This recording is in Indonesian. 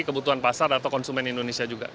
kebutuhan pasar atau konsumen indonesia juga